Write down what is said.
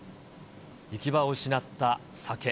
行き場を失った酒。